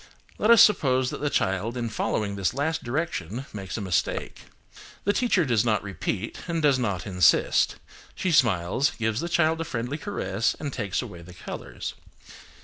Let us suppose that the child in following this last direction makes a mistake. The teacher does not repeat and does not insist; she smiles, gives the child a friendly caress and takes away the colours.